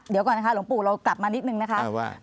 เดี๋ยวก่อนนะคะหลวงปู่เรากลับมานิดนึงนะคะ